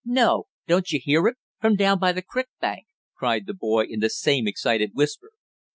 "No, don't you hear it from down by the crick bank?" cried the boy in the same excited whisper.